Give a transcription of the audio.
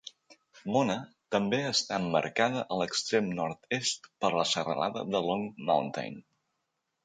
Mona també està emmarcada a l'extrem nord-est per la serralada de Long Mountain.